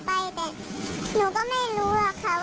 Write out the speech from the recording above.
ที่ติดต่อกันจนหนูสุดท้าย